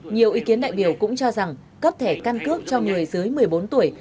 nhiều ý kiến đại biểu cũng cho rằng cấp thẻ căn cước cho người dưới một mươi bốn tuổi